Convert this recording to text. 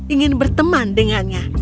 ingin berteman dengannya